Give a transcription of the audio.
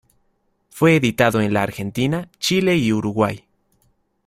Fue editado en la Argentina, Chile y Uruguay.